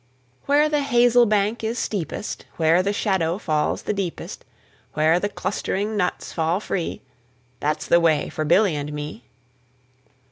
Where the hazel bank is steepest, Where the shadow falls the deepest, Where the clustering nuts fall free. That's the way for Billy and me.